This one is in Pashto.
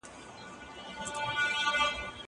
زه ليکنه کړې ده!